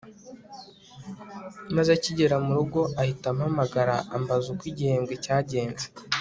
maze akigera murugo ahita ampamagara ambaza uko igihembwe cyagenze